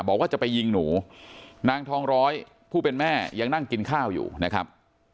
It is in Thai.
บอกว่าจะไปยิงหนูนางทองร้อยผู้เป็นแม่ยังนั่งกินข้าวอยู่นะครับ